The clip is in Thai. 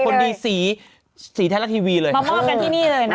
คนดีศรีแทรกทีวีเลยมามอบกันที่นี่เลย